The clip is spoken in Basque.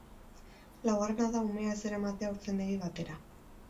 Laugarrena da umea ez eramatea haurtzaindegi batera.